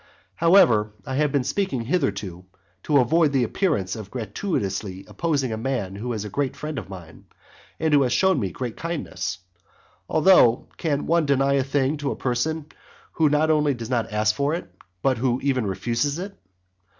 IX. However, I have been speaking hitherto to avoid the appearance of gratuitously opposing a man who is a great friend of mine, and who has showed me great kindness. Although, can one deny a thing to a person who not only does not ask for it, but who even refuses it?